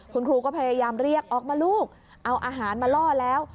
คุณครูก็พยายามเรียกออกมาลูกเอาอาหารมาล่อแล้ว